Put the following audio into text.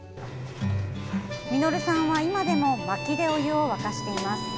實さんは今でもまきでお湯を沸かしています。